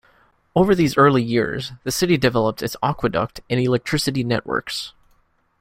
Over these early years, the city developed its aqueduct and electricity networks.